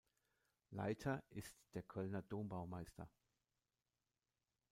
Leiter ist der Kölner Dombaumeister.